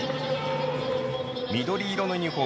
緑色のユニフォーム